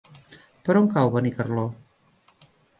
Per on cau Benicarló?